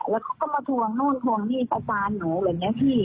แล้วเขาก็มาทวงนู่นทวงพี่ประจานหนูเหมือนเนี่ยพี่